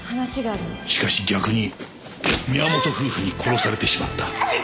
しかし逆に宮本夫婦に殺されてしまった。